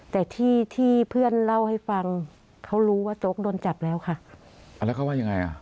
แต่ที่ที่เพื่อนเล่าให้ฟังเขารู้ว่าโจ๊กโดนจับแล้วค่ะอ่าแล้วเขาว่ายังไงอ่ะ